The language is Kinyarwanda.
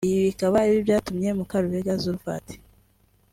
Ibi bikaba ari byo byatumye Mukarubega Zulfat